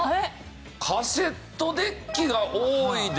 カセットデッキが多いです。